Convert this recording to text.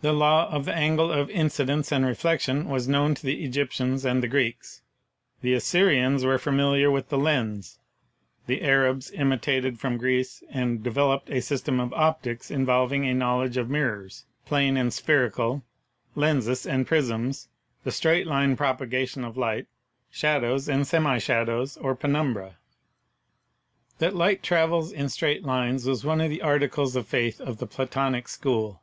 The law of the angle of incidence and reflection was* known to the Egyptians and the Greeks; the Assyrians were familiar with the lens ; the Arabs imitated from Greece and developed a system of optics involving a knowledge of mirrors, plane and spherical, lenses and prisms, the straight line propa gation of light, shadows and semishadows, or penumbrae. That light travels in straight lines was one of the arti cles of faith of the Platonic school.